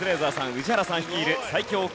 宇治原さん率いる最強Ｑさま！！